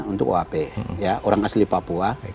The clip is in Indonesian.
untuk uap orang asli papua